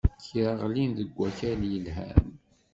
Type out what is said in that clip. Kra ɣlin deg wakal yelhan.